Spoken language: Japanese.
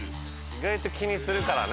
意外と気にするからね。